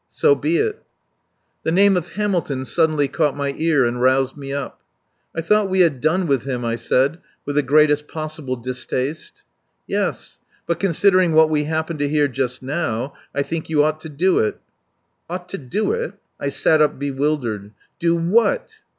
So be it. The name of Hamilton suddenly caught my ear and roused me up. "I thought we had done with him," I said, with the greatest possible distaste. "Yes. But considering what we happened to hear just now I think you ought to do it." "Ought to do it?" I sat up bewildered. "Do what?"